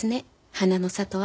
「花の里」は。